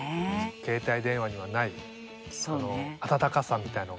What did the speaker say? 携帯電話にはない温かさみたいのが。